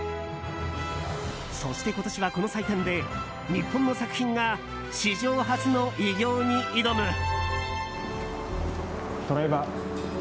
そして今年は、この祭典で日本の作品が史上初の偉業に挑む。